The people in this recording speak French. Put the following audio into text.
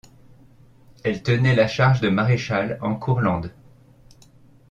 Elle tenait la charge de maréchal en Courlande.